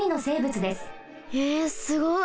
えすごい！